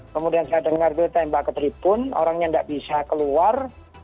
kemudian saya dengar itu tembak ke tribun orangnya tidak bisa keluar